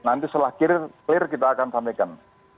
nanti setelah clear kita akan sampaikan